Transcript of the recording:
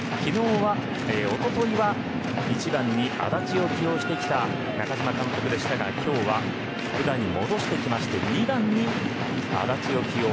おとといは１番に安達を起用してきた中嶋監督でしたが今日は福田に戻してきまして２番に安達を起用。